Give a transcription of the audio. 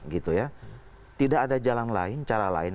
karena tidak ada jalan lain cara lain